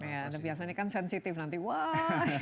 ya ada yang biasanya kan sensitif nanti wah